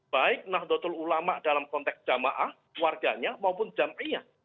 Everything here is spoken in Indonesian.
baik nahdlatul ulama dalam konteks jamaah warganya maupun jamaahnya